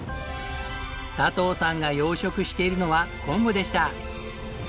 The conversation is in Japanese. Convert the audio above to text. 佐藤さんが養殖しているのは昆布でした！